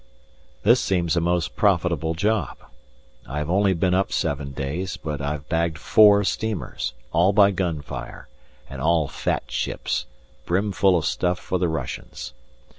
This seems a most profitable job. I have only been up seven days, but I've bagged four steamers, all by gun fire, and all fat ships, brimful of stuff for the Russians.